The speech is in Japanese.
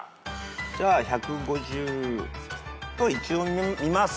じゃあ１５０を一応見ます。